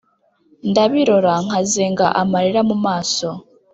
Ndabirora nkazenga amarira mu maso